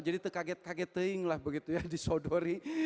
jadi terkaget kaget ting lah disodori